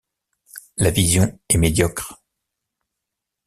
La vision est médiocre.